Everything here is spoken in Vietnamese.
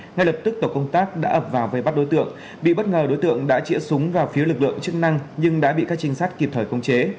ngay lập tức tổ công tác đã ập vào vây bắt đối tượng bị bất ngờ đối tượng đã chỉa súng vào phía lực lượng chức năng nhưng đã bị các trinh sát kịp thời công chế